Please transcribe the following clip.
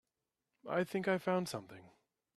I think I found something.